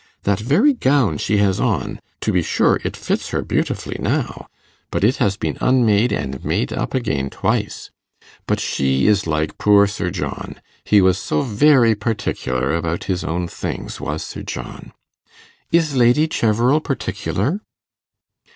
That very gown she has on to be sure, it fits her beautifully now but it has been unmade and made up again twice. But she is like poor Sir John he was so very particular about his own things, was Sir John. Is Lady Cheverel particular?